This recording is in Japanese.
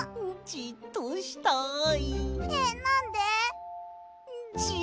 じっとしたい。